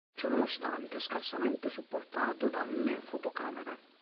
Ciò nonostante, è scarsamente supportato dalle fotocamere.